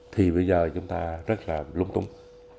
thì bây giờ chúng ta rất là lúng túng